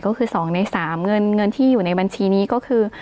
ก็คือ๒ใน๓เงินที่อยู่ในบัญชีนี้ก็คือ